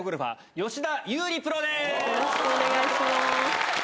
よろしくお願いします。